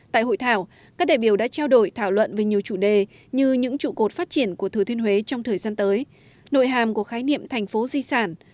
tại hội thảo các đại biểu đã trao đổi thảo luận về nhiều chủ đề như những trụ cột phát triển của thừa thiên huế trong thời gian tới nội hàm của khái niệm thành phố di sản